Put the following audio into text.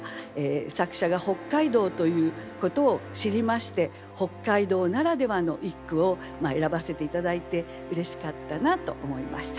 作者が北海道ということを知りまして北海道ならではの一句を選ばせて頂いてうれしかったなと思いました。